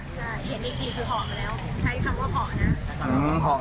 เห็นอีกทีคือเหาะมาแล้วใช้คำว่าเหาะนะ